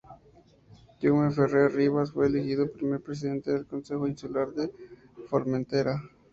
Jaume Ferrer Ribas fue elegido primer presidente del Consejo Insular de Formentera.